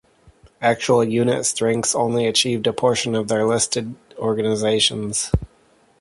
Actual unit strengths only achieved a portion of their listed organizations.